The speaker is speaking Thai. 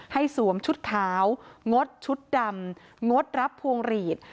สวมชุดขาวงดชุดดำงดรับพวงหลีด